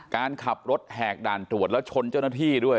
การขับรถแหกด่านตรวจแล้วชนเจ้าหน้าที่ด้วย